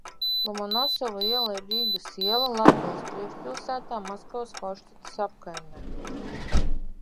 Lomonosova iela ir Rīgas iela, Latgales priekšpilsētā, Maskavas forštates apkaimē.